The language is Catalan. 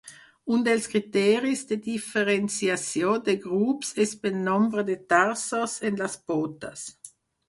Un dels criteris de diferenciació de grups és pel nombre de tarsos de les potes.